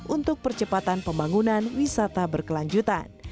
untuk percepatan pembangunan wisata berkelanjutan